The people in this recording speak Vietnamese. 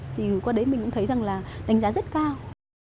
thì qua đấy mình cũng thấy rằng là đánh giá rất cao